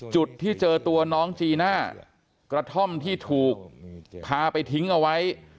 จุดที่เจอตัวน้องจีน่ากระท่อมที่ถูกพาไปทิ้งเอาไว้